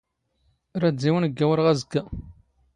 ⵔⴰⴷ ⴷⵉⵡⵏ ⴳⴳⴰⵡⵔⵖ ⴰⵣⴽⴽⴰ.